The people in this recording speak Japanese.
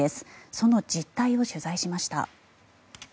その実態を取材しました。